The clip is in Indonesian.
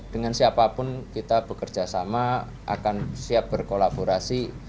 dengan siapapun kita bekerjasama akan siap berkolaborasi